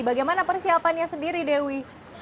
bagaimana persiapannya sendiri dewi